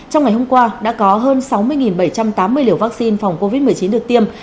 trong ngày hôm qua đã có hơn sáu mươi bảy trăm tám mươi liều vaccine phòng covid một mươi chín được tiêm